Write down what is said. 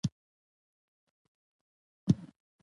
سانتیاګو له داړو سره مخ کیږي.